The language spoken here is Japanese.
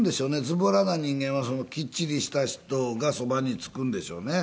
ずぼらな人間はきっちりした人がそばにつくんでしょうね。